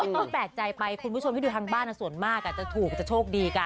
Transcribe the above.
ต้องแปลกใจไปคุณผู้ชมที่ดูทางบ้านส่วนมากจะถูกจะโชคดีกัน